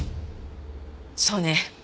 そうね。